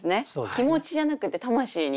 気持ちじゃなくて魂に。